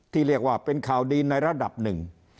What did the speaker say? ที่เรียกว่าเป็นข่าวดีในระดับหนึ่ง